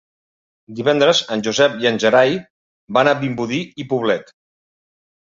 Divendres en Josep i en Gerai van a Vimbodí i Poblet.